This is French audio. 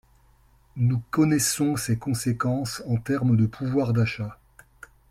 Nous connaissons ses conséquences en termes de pouvoir d’achat.